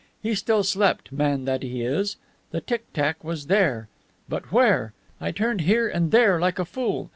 He still slept, man that he is! The tick tack was there. But where? I turned here and there like a fool.